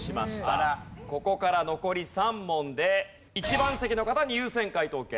ここから残り３問で１番席の方に優先解答権。